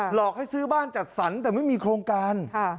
หลอกให้ซื้อบ้านจัดสรรแต่ไม่มีโครงการ